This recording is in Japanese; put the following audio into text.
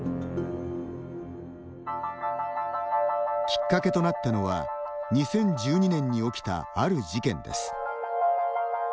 きっかけとなったのは２０１２年に起きたある事件です。